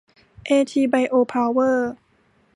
เอทีไบโอเพาเวอร์